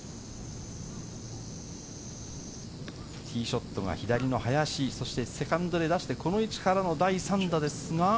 ティーショットが左の林、そしてセカンドで出してからの第３打ですが。